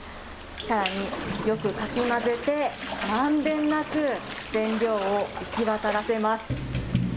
さらによくかき混ぜて、まんべんなく染料を行き渡らせます。